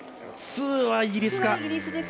ツーはイギリスか。